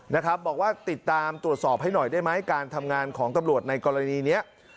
นะครับบอกว่าติดตามตรวจสอบให้หน่อยได้ไหมการทำงานของตำรวจในกรณีนี้